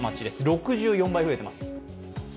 ６４倍増えています。